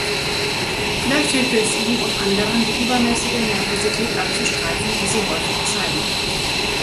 Vielleicht hilft es ihm und anderen, die übermäßige Nervosität abzustreifen, die sie häufig zeigen.